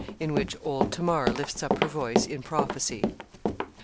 IN WHICH OLD TAMAR LIFTS UP HER VOICE IN PROPHECY.